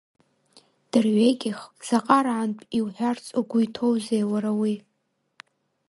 Дырҩегьых заҟараантә иуҳәарц угәы иҭоузеи уара уи?